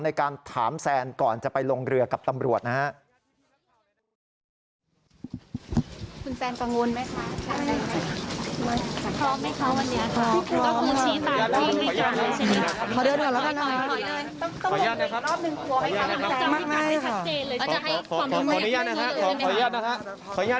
ในการถามแซนก่อนจะไปลงเรือกับตำรวจนะฮะ